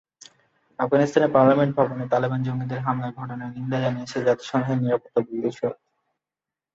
আফগানিস্তানের পার্লামেন্ট ভবনে তালেবান জঙ্গিদের হামলার ঘটনার নিন্দা জানিয়েছে জাতিসংঘের নিরাপত্তা পরিষদ।